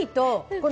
これ！